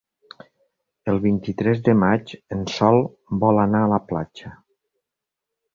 El vint-i-tres de maig en Sol vol anar a la platja.